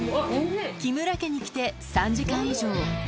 木村家に来て３時間以上。